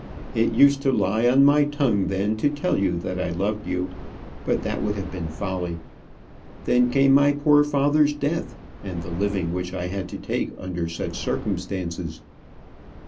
It used to lie on my tongue then to tell you that I loved you; but that would have been folly. Then came my poor father's death, and the living which I had to take under such circumstances.